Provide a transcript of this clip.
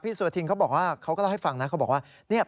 พี่สุรทินเขาบอกว่าเขาก็เล่าให้ฟังนะ